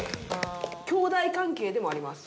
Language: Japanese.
兄弟関係でもあります。